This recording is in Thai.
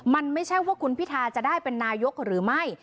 มันไม่ใช่ว่าคุณพิทาจะได้เป็นนายกหรือไม่